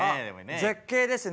絶景ですね。